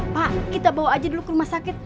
pak kita bawa aja dulu ke rumah sakit